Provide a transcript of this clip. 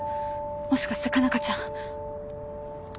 もしかして佳奈花ちゃん。